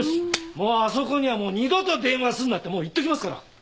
もうあそこにはもう二度と電話すんなってもう言っときますから。